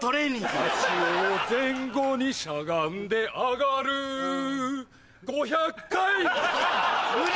足を前後にしゃがんで上がる無理！